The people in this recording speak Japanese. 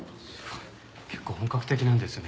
結構本格的なんですね。